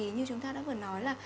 như chúng ta đã vừa nói là